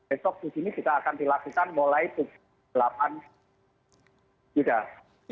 esok di sini kita akan dilakukan mulai delapan tiga puluh